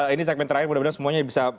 ini segmen terakhir mudah mudahan semuanya bisa